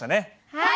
はい！